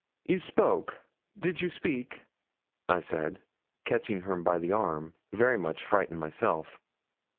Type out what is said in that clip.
'You spoke? Did you speak?' I said, catching her by the arm, very much frightened myself.